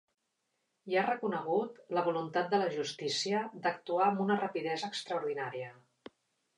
I ha reconegut la voluntat de la justícia d’actuar amb una rapidesa extraordinària.